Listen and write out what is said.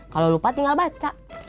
kalau lupa tinggal baca